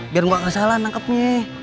biar gak kesalahan lengkapnya